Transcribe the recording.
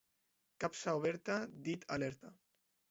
Capsa oberta, dit alerta.